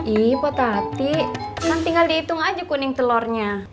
iya po tati kan tinggal dihitung aja kuning telurnya